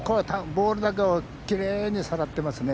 ボールだけをきれいにさらってますね。